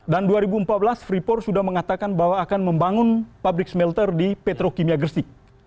dan dua ribu empat belas freeport sudah mengatakan bahwa akan membangun pabrik smelter di petro kimia gersik